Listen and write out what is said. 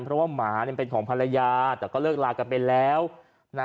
เพราะว่าหมาเนี่ยเป็นของภรรยาแต่ก็เลิกลากันไปแล้วนะ